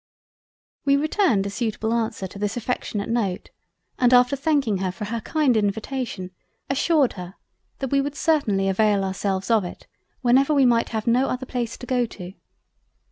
We returned a suitable answer to this affectionate Note and after thanking her for her kind invitation assured her that we would certainly avail ourselves of it, whenever we might have no other place to go to.